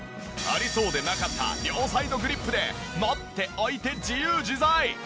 ありそうでなかった両サイドグリップで持って置いて自由自在！